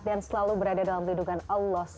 dan selalu berada dalam hidup allah